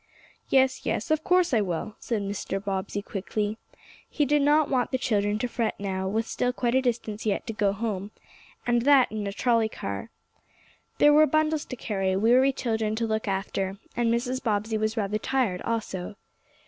"Yes, yes, of course I will," said Mr. Bobbsey quickly. He did not want the children to fret now, with still quite a distance yet to go home, and that in a trolley car. There were bundles to carry, weary children to look after, and Mrs. Bobbsey was rather tired also.